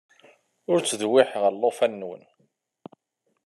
Ur ttdewwiḥeɣ alufan-nwen.